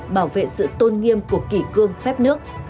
bảo vệ sự tôn nghiêm của kỷ cương phép nước